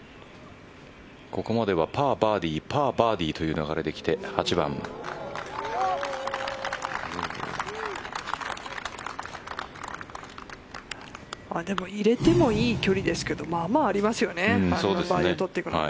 ここまではパー、バーディーパー、バーディーという流れで来て８番。でも入れてもいい距離ですけどまあまあありますよね。